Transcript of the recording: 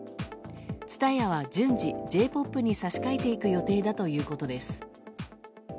ＴＳＵＴＡＹＡは順次Ｊ‐ＰＯＰに差し替えていく予定だということです。